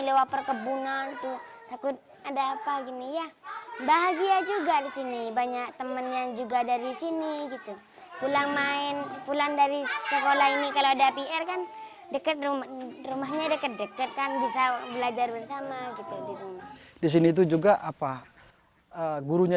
lewat perkebunan tuh takut ada apa gini ya